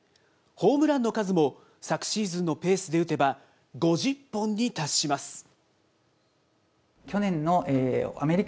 ホームランの数も、昨シーズンのペースで打てば、５０本に達します。